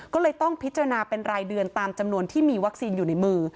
ก็เลยต้องพิจารณาเป็นรายเดือนตามจำนวนที่มีวัคซีนอยู่ในมือ